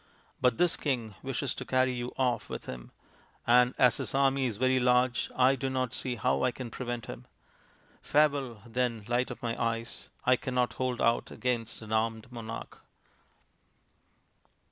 But this king wishes to carry you off with him, and as his army is very large, I do not see how I can prevent him. Farewell, then, Light of my Eyes ! I cannot hold out against an armed monarch."